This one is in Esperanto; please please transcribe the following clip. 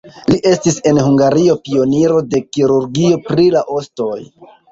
Li estis en Hungario pioniro de kirurgio pri la ostoj.